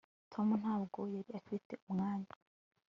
tom ntabwo yari afite umwanya